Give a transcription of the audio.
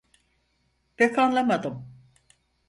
Pek anlamadım.